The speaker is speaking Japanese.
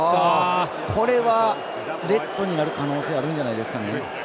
これはレッドになる可能性あるんじゃないですかね。